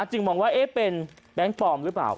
จึงมองว่าเป็นแบงค์ปลอมหรือเปล่า